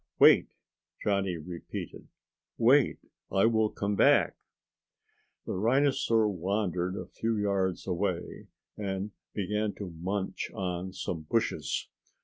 "Wait," Johnny repeated. "Wait, I will come back." The rhinosaur wandered a few yards away and began to munch on some bushes.